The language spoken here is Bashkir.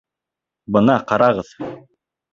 Бына, ҡарағыҙ!